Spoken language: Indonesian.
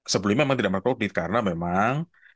sebelum ini memang tidak merkredit karena memang